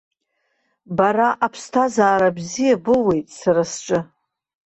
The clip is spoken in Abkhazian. Бара аԥсҭазаара бзиа боуеит сара сҿы.